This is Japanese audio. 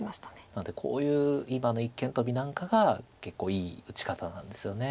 なのでこういう今の一間トビなんかが結構いい打ち方なんですよね。